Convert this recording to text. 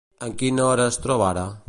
En quina es troba ara?